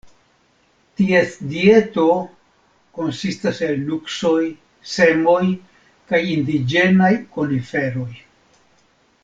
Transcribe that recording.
Ties dieto konsistas el nuksoj, semoj kaj indiĝenaj koniferoj.